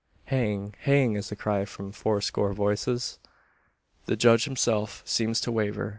"Hang! hang!" is the cry from fourscore voices. The judge himself seems to waver.